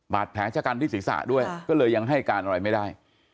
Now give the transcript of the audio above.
บาทแผงชะกันที่ศิษย์ศาสตร์ด้วยก็เลยยังให้การอะไรไม่ได้